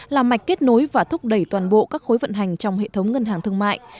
làm mạch kết nối và thúc đẩy toàn bộ các khối vận hành trong hệ thống ngân hàng thương mại